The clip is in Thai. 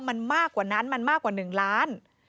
มันมากกว่านั้นมันมากกว่า๑ล้าน